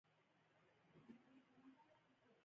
باسواده میندې د کورنۍ شخړې کموي.